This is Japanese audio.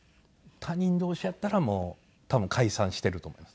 他人同士やったらもう多分解散していると思います。